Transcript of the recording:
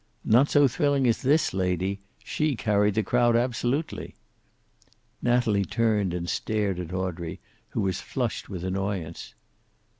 "Not so thrilling as this lady. She carried the crowd, absolutely." Natalie turned and stared at Audrey, who was flushed with annoyance.